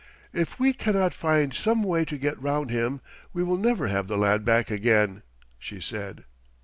"If we cannot find some way to get round him, we will never have the lad back again," she said.